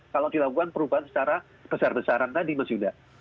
kalau dilakukan perubahan secara besar besaran tadi mas yuda